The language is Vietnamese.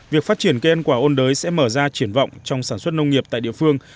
việc phát triển cây ăn quả ôn đới sẽ mở ra triển vọng trong sản xuất nông nghiệp tại địa phương